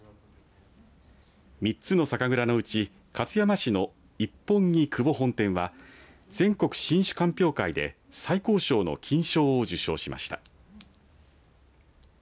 ３つの酒蔵のうち勝山市の一本義久保本店は全国新酒鑑評会で最高賞の金賞を受賞しました。